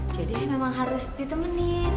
jadi memang harus ditemenin